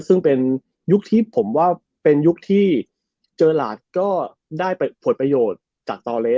ซึ่งเป็นยุคที่ผมว่าเป็นยุคที่เจอหลาดก็ได้ผลประโยชน์จากตอเลส